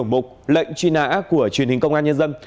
mục lệnh truy nã của truyền hình công an nhân dân